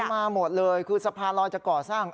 มาหมดเลยคือสะพานลอยจะก่อสร้าง